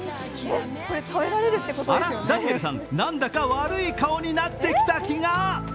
あら、ダニエルさん、何だか悪い顔になってきた気が。